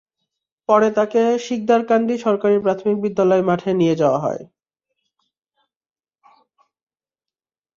পরে তাঁকে শিকদার কান্দি সরকারি প্রাথমিক বিদ্যালয় মাঠে নিয়ে যাওয়া হয়।